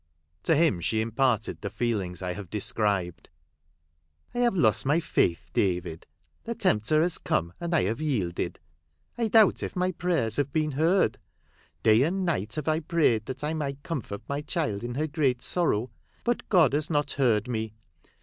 To him she imparted the feelings I have described. " I have lost my faith, David. The tempter has come, and I have yielded. I doubt if my prayers have been heard. Day and night have I prayed that I might comfort my child in her great sorrow ; but God has not heard me.